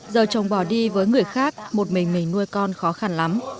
giờ chồng bỏ đi với người khác một mình mình nuôi con khó khăn lắm